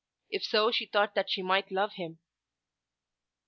If so she thought that she might love him.